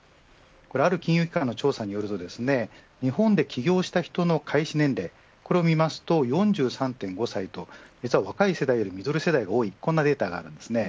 ある金融機関の調査によると日本で起業した人の開始年齢を見ると４３．５歳と実は若い世代よりもミドル世代の方が多いデータがあります。